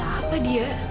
tapi bisa apa dia